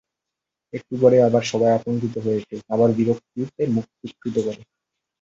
একটু পরেই আবার সবাই আতঙ্কিত হয়ে ওঠে, আবার বিরক্তিতে মুখ বিকৃত করে।